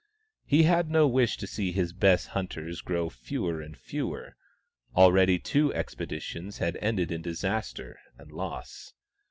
He had no wish to see his best hunters grow fewer and fewer — already two expeditions had ended in dis aster and loss.